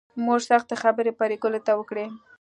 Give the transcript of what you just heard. مور سختې خبرې پري ګلې ته وکړې